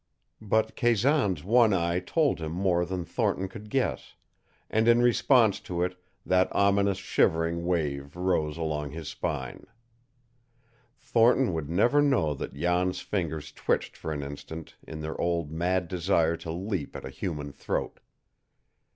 But Kazan's one eye told him more than Thornton could guess, and in response to it that ominous shivering wave rose along his spine. Thornton would never know that Jan's fingers twitched for an instant in their old mad desire to leap at a human throat.